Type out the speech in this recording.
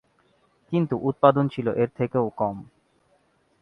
কিন্তু উৎপাদন ছিল এর থেকেও কম।